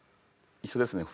一緒ですね。